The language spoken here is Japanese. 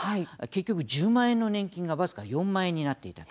結局１０万円の年金が僅か４万円になっていた。